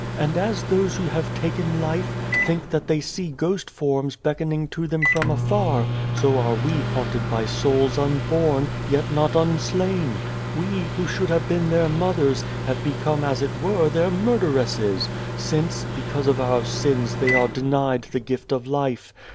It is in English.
" And as those who have taken life, think that they see ghost forms beckoning to them from afar, so are we haunted by souls unborn, yet not unslain. We, who should have been their mothers, have become as it were their murderesses, since, because of our sins they are denied the gift of life.